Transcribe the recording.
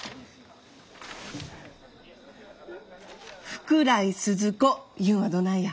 福来スズ子いうんはどないや？